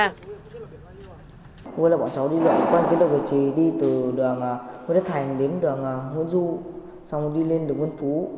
hôm nay là bọn cháu đi lượn quanh kết độc vị trí đi từ đường nguyễn thế thành đến đường nguyễn du xong đi lên đường nguyễn phú